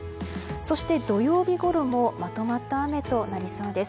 そして土曜日ごろもまとまった雨となりそうです。